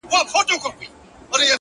د ساده فکر ځواک لوی بدلون راولي’